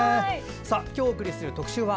今日、お送りする特集は？